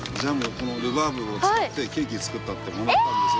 このルバーブを使ってケーキ作ったってもらったんですよ。